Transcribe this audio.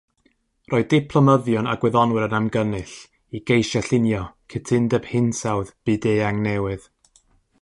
Roedd diplomyddion a gwyddonwyr yn ymgynnull i geisio llunio cytundeb hinsawdd byd-eang newydd.